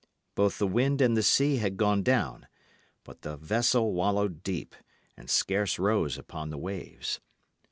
Both the wind and the sea had gone down; but the vessel wallowed deep, and scarce rose upon the waves.